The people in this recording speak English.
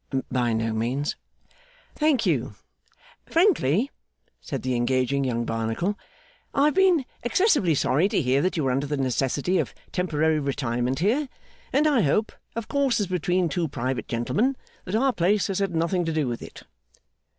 'By no means.' 'Thank you. Frankly,' said the engaging young Barnacle, 'I have been excessively sorry to hear that you were under the necessity of a temporary retirement here, and I hope (of course as between two private gentlemen) that our place has had nothing to do with it?